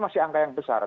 masih angka yang besar